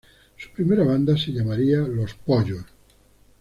Su primera banda se llamaría Los Pollos.